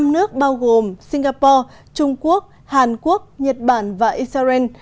năm nước bao gồm singapore trung quốc hàn quốc nhật bản và israel